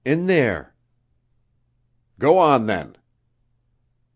In there." "Go on, then."